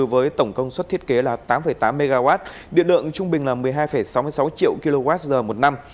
với tổng công suất thiết kế là tám tám mw điện lượng trung bình là một mươi hai sáu mươi sáu triệu kwh một năm